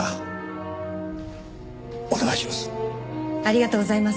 お願いします。